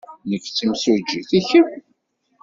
Nekk d timsujjit. I kemm?